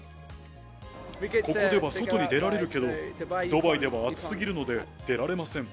ここでは外に出られるけど、ドバイでは暑すぎるので、出られません。